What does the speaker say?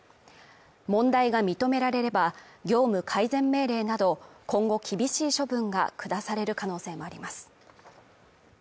問題が認められれば業務改善命令など今後厳しい処分が下される可能性もあります